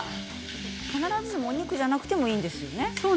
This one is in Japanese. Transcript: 必ずしも肉じゃなくてもいいんですよね。